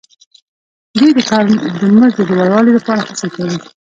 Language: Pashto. دوی د کار د مزد د لوړوالي لپاره هڅې کوي